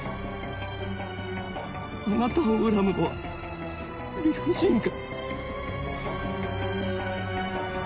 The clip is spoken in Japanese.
あなたを恨むのは理不尽か？